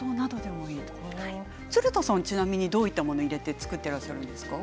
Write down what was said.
鶴田さんはちなみに、どういったものを入れて漬けてらっしゃいますか？